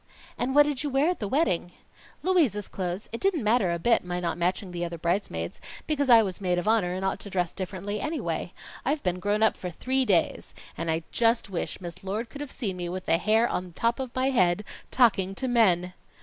"And what did you wear at the wedding?" "Louise's clothes. It didn't matter a bit, my not matching the other bridesmaids, because I was maid of honor, and ought to dress differently anyway. I've been grown up for three days and I just wish Miss Lord could have seen me with my hair on the top of my head talking to men!"